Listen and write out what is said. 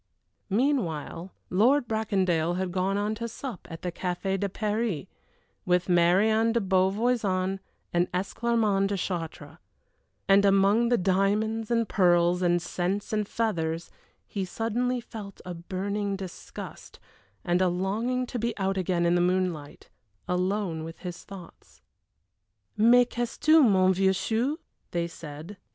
Meanwhile, Lord Bracondale had gone on to sup at the Café de Paris, with Marion de Beauvoison and Esclarmonde de Chartres; and among the diamonds and pearls and scents and feathers he suddenly felt a burning disgust, and a longing to be out again in the moonlight alone with his thoughts. "Mais qu'as tu, mon vieux chou?" they said.